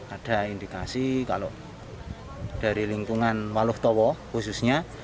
ada indikasi kalau dari lingkungan maluk tawo khususnya